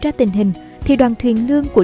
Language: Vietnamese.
ra tình hình thì đoàn thuyền lương của